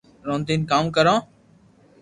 رودين ڪاو ڪرو